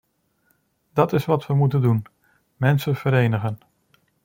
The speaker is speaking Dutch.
Dat is wat we moeten doen: mensen verenigen.